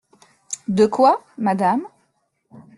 De quoi ? madame.